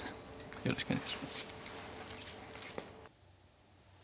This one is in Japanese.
よろしくお願いします。